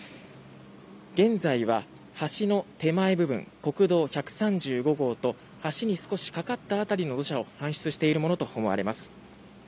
現在は橋の手前部分国道１３５号と橋に少し架かった辺りの土砂を搬出しているものとみられます。